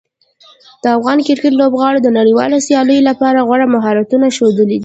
د افغان کرکټ لوبغاړو د نړیوالو سیالیو لپاره غوره مهارتونه ښودلي دي.